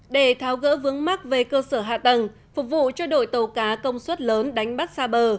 để tháo gỡ vướng mắc về cơ sở hạ tầng phục vụ cho đội tàu cá công suất lớn đánh bắt xa bờ